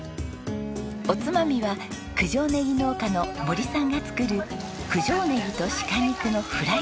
おつまみは九条ねぎ農家の森さんが作る九条ねぎとシカ肉のフライをどうぞ。